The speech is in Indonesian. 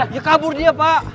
ya kabur dia pak